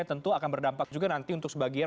tentu akan berdampak juga nanti untuk sebagian